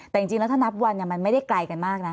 แต่จริงแล้วถ้านับวันมันไม่ได้ไกลกันมากนะ